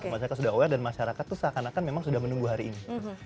masyarakat sudah aware dan masyarakat itu seakan akan memang sudah menunggu hari ini